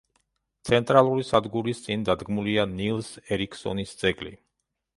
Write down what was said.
ცენტრალური სადგურის წინ დადგმულია ნილს ერიქსონის ძეგლი.